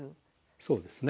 そうですね。